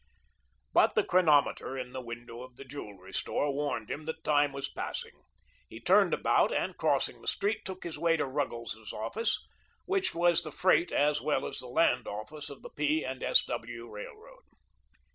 But the chronometer in the window of the jewelry store warned him that time was passing. He turned about, and, crossing the street, took his way to Ruggles's office, which was the freight as well as the land office of the P. and S. W. Railroad.